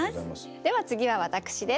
では次は私です。